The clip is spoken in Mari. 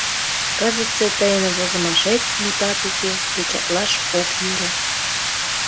Кызытсе тыйын возымашет, мутат уке, печатлаш ок йӧрӧ.